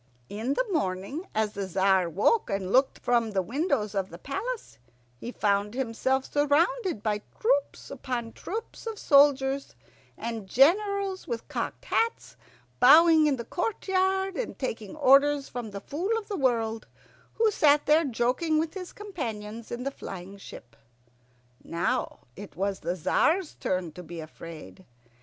In the morning, as the Tzar woke and looked from the windows of the palace, he found himself surrounded by troops upon troops of soldiers, and generals in cocked hats bowing in the courtyard and taking orders from the Fool of the World, who sat there joking with his companions in the flying ship. Now it was the Tzar's turn to be afraid.